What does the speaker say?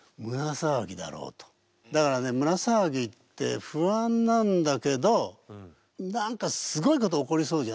だからね胸騒ぎって不安なんだけど何かすごいことが起こりそうじゃない？